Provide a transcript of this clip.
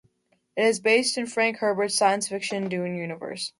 It is based in Frank Herbert's science fiction "Dune" universe.